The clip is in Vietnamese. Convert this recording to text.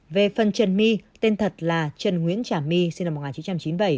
về phần trần my tên thật là trần nguyễn trả my sinh năm một nghìn chín trăm chín mươi bảy